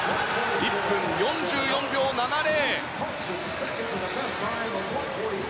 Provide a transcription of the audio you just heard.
１分４４秒７０。